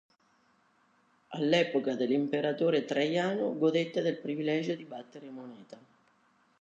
All'epoca dell'imperatore Traiano godette del privilegio di battere moneta.